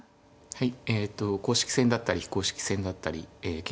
はい。